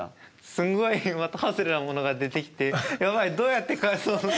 すっごい的外れなものが出てきて「やばいどうやって返そう」って。